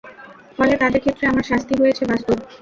ফলে তাদের ক্ষেত্রে আমার শাস্তি হয়েছে বাস্তব।